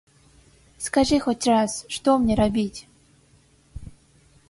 Скажы хоць раз, што мне рабіць?